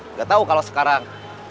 nggak tahu kalau sekarang